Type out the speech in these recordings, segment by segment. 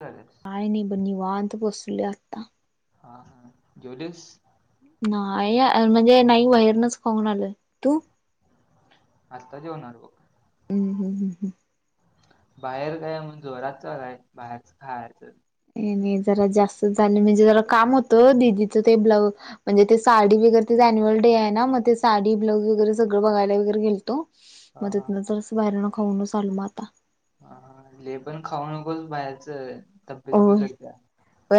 ह. काय नाही बघ निवांत बसलोय आता. हा हा जेवलीस? नाही म्हणजे नाही बाहेरनच खाऊन आलय. तू आत्ता जेवणार. हम हमंम हं. बाहेर काय म्हणून जोरात चालय. बाहेरच खायचं. नाही जरा जास्त झाले म्हणजे जरा काम होतं. दीदीचं ते ब्लाऊज म्हणजे ते साडी वगैरे ते ॲन्युअल डे आहे ना मग ते साडी ब्लाऊज वगैरे सगळ बघयला वगैरे गेलतो. हा मदतन तर बाहेरन खाऊनच आल मग आता. हा लई पण खाऊ नकोस बाहेरचं तब्येत होय बिघडते.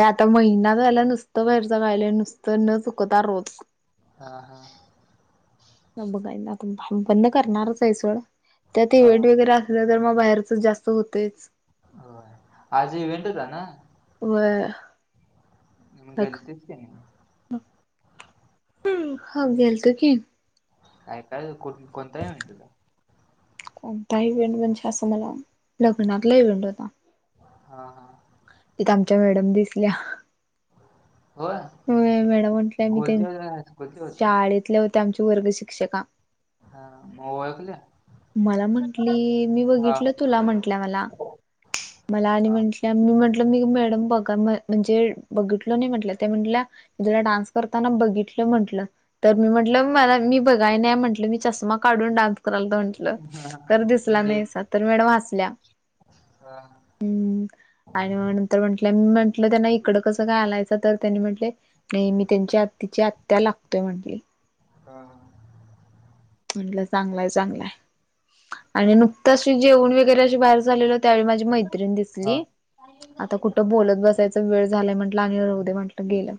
आता महिना झाला नुसतं बाहेरच खायलो नुसतं न चुकता रोज. हां हां. बघा पण करणारच आहे सोडं त्यात हा इव्हेंट वगैरे अस अस तर मग बाहेरच जास्त होतयच. हो आज इव्हेंट होता ना. व निम् गेलतीस का नाही? हम् हो गेलते की. काय कोण कोणताही म्हणटला. कोणता इव्हेंट म्हणजे असं मला लग्नातला इव्हेंट होता. हा हा. तिथ आमच्या मॅडम दिसल्या. होय हो मॅडम म्हटलंय मी तेन स्कूलच्या हायस्कूलच्या होत्या शाळेतल्या होत्या आमची वर्ग शिक्षिका. हा म ओळखलया? मला म्हंटली मी बघितलं तुला म्हंटल्या मला. मला आणि हा म्हटल्या मी म्हंटलं मी मॅडम बघा म म्हणजे बघितलो नाही म्हटलं ते म्हटल्या तुला डान्स करताना बघितलं म्हंटलं. तर मी म्हंटलं मला मी बघाय नाही म्हटलं मी चष्मा काढून डान्स करल तर म्हंटलं तर दिसला म्हणजे नाहीसा तर मॅडम हसल्या. हा. हम्म आणि म नंतर मी म्हंटलं त्यांना इकडं कसं काय आलायचं तर त्यांनी म्हटले नाही मी त्यांच्या तिची आत्या लागतोय म्हंटली. हा हा. म्हटलं चांगलाय चांगलाय आणि नुकतंच जेवण वगैरे अशी बाहेर झालेलं त्यावेळी माझी मैत्रीिणी हा दिसली. आता कुठं बोलत बसायचा की वेळ झालाय म्हटलं आणि राहू दे म्हटलं गेलं.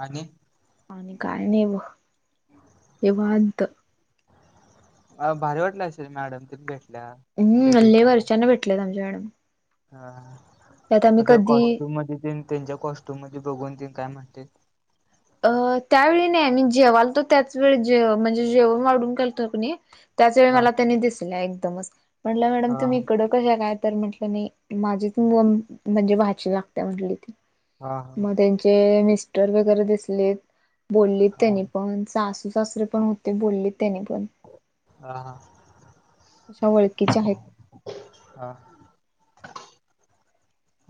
आणि आणि काय नाही व निवांत. अ भारी वाटलं असेल मॅडम तिन भेटल्या. हम्म लय हल्ले दिवसांना वर्षयानं भेटलेत आमच्या मॅडम. हा त्यात आम्ही मग तर कधी कॉस्ट्युम मधी तेन त्यांच्या कॉस्ट्युम मध्ये बघून ती काय म्हणते? अ त्यावेळी नाही मी जेवालतो त्याच वेळी जेव म्हणजे जेवण वाढून केलतो क नी त्याच वेळी हा मला त्यांनी दिसल्या एकदमच म्हटलं मॅडम हा तुम्ही इकडं कशा काय तर म्हटलं नाही माझी तिन म म्हणजे भाची लागते म्हटली ती. हा हा म त्यांचे मिस्टर वगैरे दिसलेत बोलली हा त्यानी पण सासू सासरे पण होते बोललेत त्यानी पण. हा हा. अशा ओळखीच्या आहेत. हा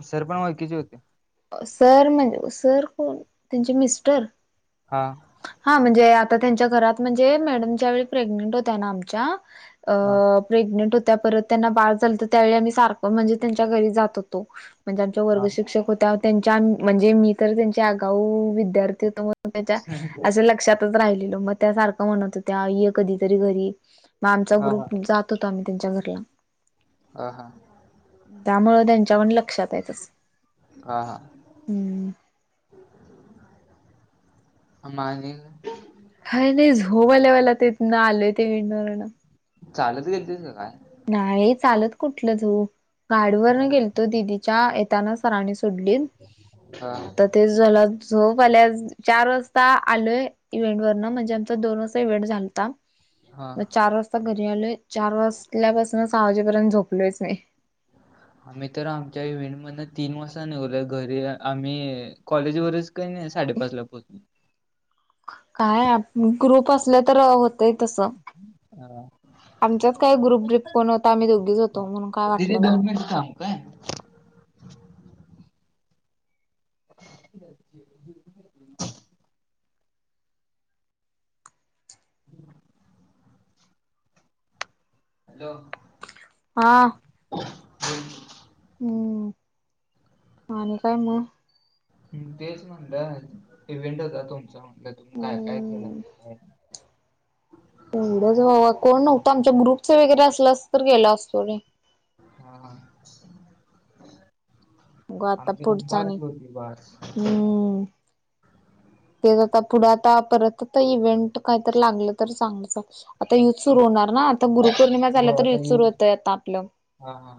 सर पण ओळखीचे होते. सर म्हणजे सर कोण त्यांचे मिस्टर? हा. हा म्हणजे आता त्यांच्या घरात म्हणजे मॅडम ज्यावेेळी प्रेग्नेंट होतय ना आमच्या अ हा प्रेग्नेंट होत्या परत त्यांना बाळ झालतं त्यावेळी आम्ही सारखं म्हणजे त्यांच्या घरी जात होतो. म्हणजे आमच्या हा हा वर्ग शिक्षक होत्या त्यांच्या म्हणजे मी तर त्यांच्या आगाऊ विद्यार्थी होतो म त्याच्या असं लक्षातच राहिलेलो म त्यासारखं म्हणत होत्या ये कधीतरी घरी म आमचा हा हा ग्रुप जात होता आम्ही त्यांच्या घरला. हा हा त्यामुळं त्यांच्या पण लक्षात आहे तसं. हा हा. हम्म. अमानिलला काय नाही झोप आल्या मला तिथनं आलोय ते विणार वरनं. चालत गेलतीस का काय? नाही चालत कुठलं जाऊ गाडीवरनं गेलतो दिदीच्या येताना सरानी तुडलीन हा म आता ते झला झोप आल्या चार वाजता आलोय इव्हेंट वरनं म्हणजे आमचा दोन वाजता इव्हेंट झालता. हा म चार वाजता घरी आलोय चार वाजल्यापासून सहा वाजेपर्यंत झोपलोयच नाय. [inaudible] आम्ही तर आमच्या इव्हेंट मधन तीन वाजता निघलो घरी आम्ही कॉलेजवरच काही नाही साडेपाचला पोहचलो काय आप ग्रुप असल तर होतय तस. ह आमचाच काय ग्रुप ग्रीप कोण होता आम्ही दोघेच होतो म्हणून काय दीदी वाटलं नाही. दोन मिनिट थांब काय? [inaudible] [inaudible] हॅलो हा बोल [unintelligible] हम् आणि काय म? तेच म्हणलं इव्हेंट होता तुमचा म्हणलं तुम्ही काय काय केल हम्म एवढंच बा कोण नव्हतं आमच्या ग्रुपच वगैरे असलास तर गेला असतो रे हा आमची दम बारची होती बार [inaudible] हम.... तेच आता पुढं आता परत आता इव्हेंट काहीतर लागलं तर सांगत जा आता आता युथ सुरू होणार ना आता गुरुपौर्णिमा हो झाल्या तर आता युथ सुरू होतय आता आपलं. हा हा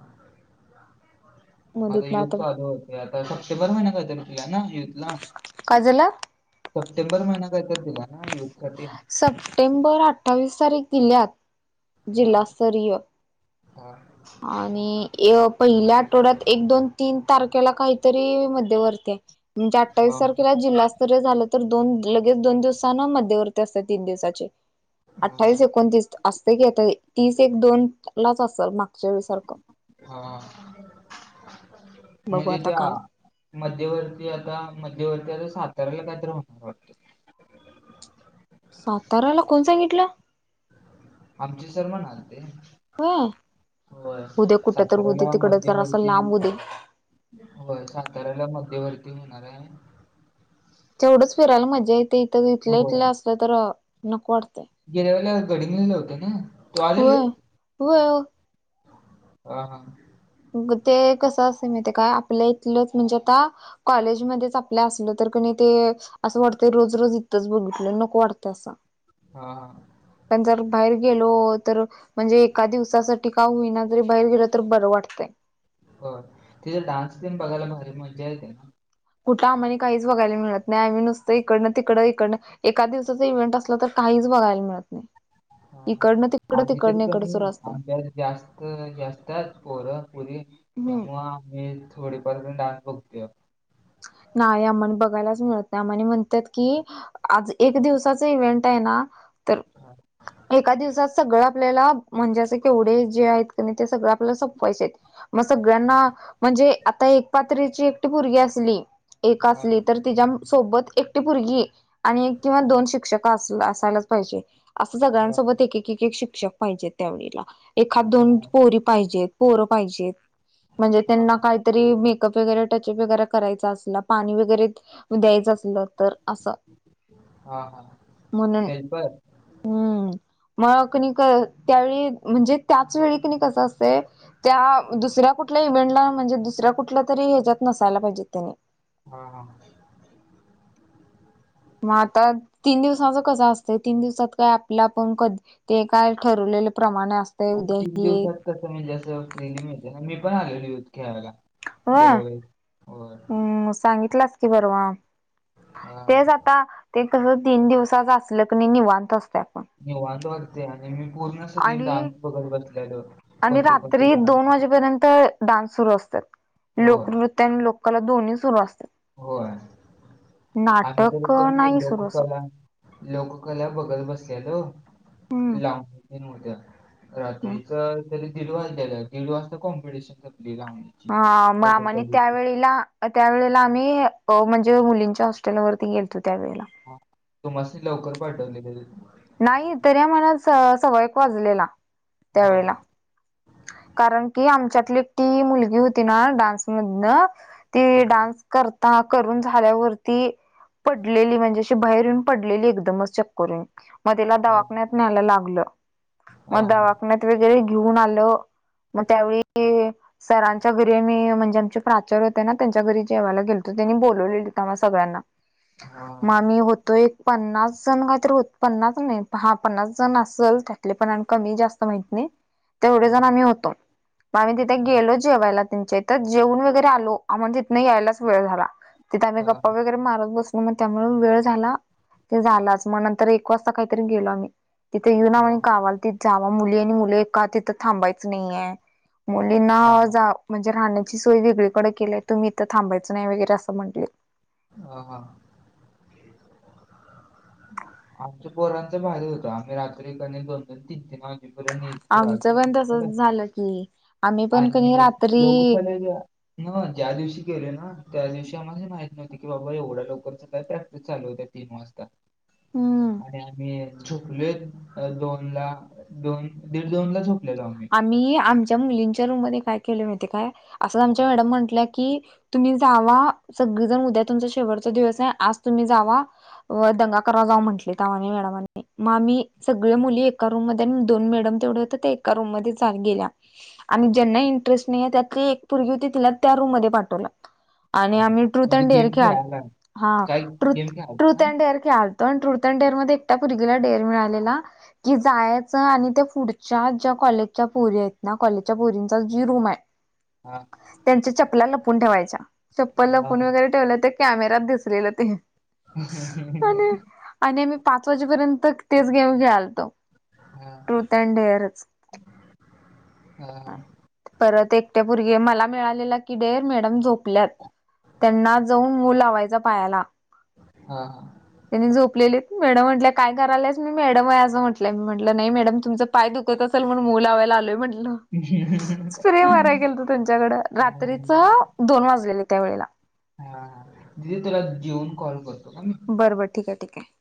मग आता तिथन युथ चालू होतय. आता सप्टेंबर महिन्यात येत ना युथ युथला काय झालं सप्टेंबर महिना काहीतरी दिला ना युथसाठी सप्टेंबर अठ्ठावीस तारीख दिल्यात हा जिल्हास्तरीय हा आणि ए पहिल्या आठवड्यात एक दोन तीन तारखेला काहीतरी मध्यवर्ती आहे. म्हणजे हा अठ्ठावीस तारखेला जिल्हास्त सर्व झालं तर दोन लगेच दोन दिवसान मध्यवर्ती असते तीन दिवसाचे. हा अठ्ठावीस एकोणतीस अस्त येत तीस एक दोन लाच असेल मागच्या वेळेसारखं. हा बघू म्हणजे आता त्या काय मध्यवर्ती आता मध्यवर्ती आता सातारला काहीतरी होणार वाटतं. साताऱ्याला कोण सांगितलं? आमचे सर म्हणाल ते होय होय उद्या कुठं तर होऊ दे साताऱ्याला तिकड जर असं मध्यवर्ती लांब होऊ दे होय साताऱ्याला मध्यवर्ती होणारा ए तेवढंच फिरायला मजा येते इथ इथल्या होय इथल्या असलं तर नको वाटतंय. गेल्या वला घडी निघले होते ना? तो आला नाहीये? होय होय हा आ ग ते कसं असत माहिेतिये का आपल्या इथलंच म्हणजे आता कॉलेजमध्येच आपल्या असल तर क न ते असं वाटतंय रोज रोज इतथंच बघितलं नको वाटतंय असां हा आ पण जर बाहेर गेलो तर... म्हणजे एका दिवसासाठी का होईना जरी बाहेर गेलो तर बरं वाटतंय हो तिथ [unintelligible] डान्स बघायला भारी मज्जा येते ना कुठं आम्हाली काहीच बघायला मिळत नाही आम्ही नुसतं इकडनं तिकडं इकडं एका दिवसाचं इव्हेंट असलं तर.. काहीच बघायला मिळत नाही. इकडनं तिकडं आम्ही तरी तिकडनं क इकडं नाही सुरू असतय. आमच्या जास्त जास्त पोरं पोरी हम्म त्यामुळे आम्ही थोडेफार पण डान्स बघतो. नाही आमानी बघायलाच मिळत नाही आम्हानी म्हणतात की आज एक दिवसाच इव्हेंट आहे ना तर हा एका दिवसात सगळं आपल्याला म्हणजे असं केवढे जे आहेत ते क नाही ते सगळं संपवायचं आहेत मग सगळ्यांना म्हणजे आता एक पात्रीची एकटी पोरगी असली एक हा असली तर तिच्यासोबत एकटी पोरगी आणि एक किंवा हा दोन शिक्षक असला असायलाच पाहिजे. असं हा सगळ्यांसोबत एक एक एक शिक्षक पाहिजेत, त्यावेळेला एखाद दोन हा पोरी पाहिजेत. पोरं पाहिजेत म्हणजे त्यांना काहीतरी मेकअप वगैरे टचअप वगैरे करायचं अस पाणी वगैरे द्यायचं असल तर असं हा हा म्हणून हेल्पर हम्म. मला कणी म्हणजे त्याच वेळी कणी कस असतंय. त्या दुसऱ्या कुठल्या इव्हेंटला म्हणजे दुसऱ्या कुठल्या तरी ह्याच्यात नसायला पाहिजेत त्यांनी हा. हा. मग आता तीन दिवसाांच कस असतं तीन दिवसात काय आपला आपण कध ते काय ठरवलेले प्रमाणे असत उद्या ही तसं म्हणजे असं फ्रीली मी मी पण आलेल यूथ खेळायला होय गेल्या वेळेस होय हम् सांगितलाच परवा हा तेच आता ते कसं तीन दिवसाच असल की नाही निवांत असते आपण. निवांत वाटतय आणि मी पूर्ण सगळे आणि डान्स बघत बसलेलो कोणती कोणते डान्स पर्यंत डान्स सुरू असतात होय लोकनृत्य आणि लोककला दोन्ही सुरू असतात. होय आम्ही तर नाटक कणी नाही सुरू असत लोककला लोककला बघत बसलेलो हम्म लांब मोठ् [unintelligible] हम्म. रात्रीच तरी दीड वाजलेलं दीड वाजता कॉम्पिटिशन संपली लावणी. हा आमानी त्यावेळेला त्यावेेळेला आम्ही अ म्हणजे मुलींच्या हॉस्टेलवरती गेलतो त्यावेळे हा तुमासनी लवकर पाठवले काय तिथं. नाही तरी आम्हाला स सवयक वाजलेला हा त्यावेेळेला. कारण की आमच्यातली एकटी मुलगी होती ना डान्समधन ती हा डान्स करता करून झाल्यावरती पडलेली म्हणजे शी बाहेर येऊन पडलेली एकदमच च चक्कर येऊन मग तिला हा दवाखान्यात न्यायला लागलं हा हा मग दवाखान्यात वगैरे घेऊन आलो. आलो मग त्यावेळी सरांच्या घरी मी म्हणजे आमचे प्राचार्य होते ना त्यांच्या घरी जेवायला गेलतो त्यांनी बोलवलेलीत आम्हा सगळ्यांना हा मग आमी होतो एक पन्नास जण काहीतरी होत पन्नास नाही हा पन्नास जण असल त्यातले पण कमी जास्त माहित नाही. तेवढे हा जण आम्ही होतो. मग आम्ही तिथे हा गेलो जेवायला त्यांच्या इथं जेवून वगैरे आलो आमला तिथं यायलाच वेळ झाला तिथंच आम्ही गप्पा वगैरे मारत बस मग त्यामुळे वेळ झाला ते झालाच मग नंतर एक वाजता काहीतरी गेलो आम्ही. तिथे येऊन हा आम्हाला कावालतीत ति जावा मुली आणि मुले एक इथ थांबायचं नाही आहे मुलींना हा जा म्हणजे राहण्याची सोय वेगळीकडे केलीय तुम्ही इथं थांबायचं नाही वगैरे असं म्हटले हा हा. [inaudible] आमच्या पोरांचं भारी होतं. आम्ही रात्री कनई दोन दोन तीन तीन वाजेपर्यंत आमचं पण तसच झालं की आम्ही [unintelligible] पण कणी आणि रात्री लोक [unintelligible] न्हवं ज्या दिवशी केले ना त्या दिवशी आम्हाला माहित की बाबा एवढ्या लवकर तर काय प्रॅक्टिस चालू होत्या तीन वाजता हम्म आणि आम्ही झोपलोय दोनला. दोन दीड दोनला झोपलेलो आम्ही. आम्ही आमच्या मुलींच्या रूममध्ये काय केलोय माहितेय काय? असं आमच्या मॅडम म्हटल्या की तुम्ही जावा. सगळीजण उद्या तुमचा शेवटचा दिवस आहे आज तुम्ही जावा. होय दंगा करा जावा म्हंटलीत [unintelligible] मॅडमांनी. मग आम्ही सगळी मुली एका रूममध्ये आणि दोन मॅडम तेवढे होत ते एक का रूममध्ये चाल गेल्या आणि ज्यांना इंटरेस्ट नाहीये त्यातली एक पुरगी होती तिला त्या रूममध्ये पाठवलं. आणि हा. आम्ही ट्रुथ म्हणजे अँड डेअर गेम खेळाल खेळायला हा काय गेम ट्रुथ ट्रुथ खेळायला ना अँड डेअर खेळालतो आणि ट्रुथ डेअरमध्ये एकट्या पोरगीला डेअर मिळालेला. की जायाच आणि त्या पुढच्या च्या कॉलेजच्या पोरी आहेत ना कॉलेजच्या पोरींचा जी रूम आहे हा त्यांच्या चप्पला लपून ठेवायच्या. चप्पल हा लपून वगैरे ठेवलं ते कॅमेरात दिसलेलं ते आणि आणि आम्ही पाच वाजेपर्यंत तेच गेम खेळालतो हा ट्रूथ अँड डेअरच. हा. परत एकट्या पोरगी मला मिळालेला की डेअर मॅडम झोप ल्यात त्यांना जाऊन मू लावायचा पायाला. हा हा. त्यांनी झोपलेलीत. मॅडम म्हंटल्या काय करायल्यास? मी मॅडम आहे असं म्हटलंय. मी म्हटलं नाही मॅडम तुमचं पाय दुखत अस ल म्हणून मू लावाय आलोय म्हटलं. हां स्प्रे माराय गेलतो त्यांच्याकडं रात्रीच दोन वाजलेले त्यावेेळेला. हा. दिदी तुला जेऊन कॉल करतो का मी. बरं बर ठीक आहे ठीक आहे‌.